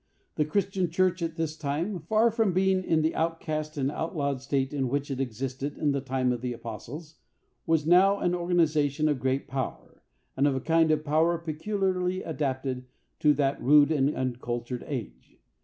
The Christian church at this time, far from being in the outcast and outlawed state in which it existed in the time of the apostles, was now an organization of great power, and of a kind of power peculiarly adapted to that rude and uncultured age.